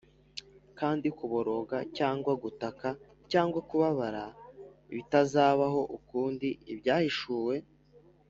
Kandi kuboroga cyangwa gutaka cyangwa kubabara bitazabaho ukundi ibyahishuwe